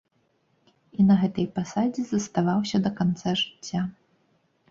І на гэтай пасадзе заставаўся да канца жыцця.